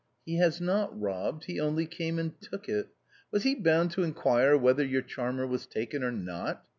" He has not robbed ; he only came and took it. Was he bound to inquire whether your charmer was taken or not